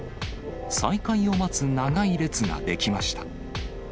再開を待つ長い列が出来ました。